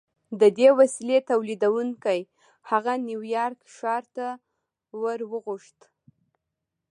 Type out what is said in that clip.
د دې وسیلې تولیدوونکي هغه نیویارک ښار ته ور وغوښت